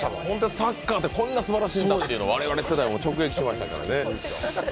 サッカーってこんなすばらしいんだっていうのを我々世代も直撃しましたからね。